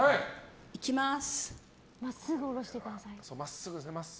いきます。